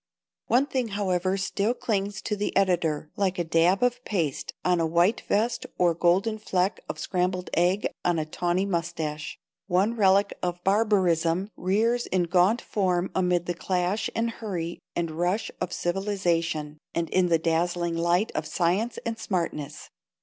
One thing, however, still clings to the editor like a dab of paste on a white vest or golden fleck of scrambled egg on a tawny moustache. One relic of barbarism rears in gaunt form amid the clash and hurry and rush of civilization, and in the dazzling light of science and smartness.